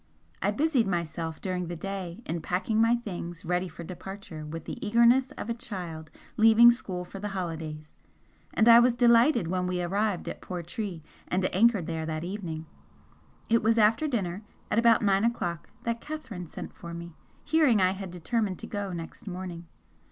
I busied myself during the day in packing my things ready for departure with the eagerness of a child leaving school for the holidays, and I was delighted when we arrived at Portree and anchored there that evening. It was after dinner, at about nine o'clock, that Catherine sent for me, hearing I had determined to go next morning.